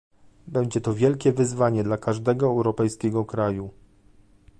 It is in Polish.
Będzie to wielkie wyzwanie dla każdego europejskiego kraju